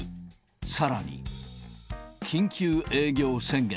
さらに、緊急営業宣言。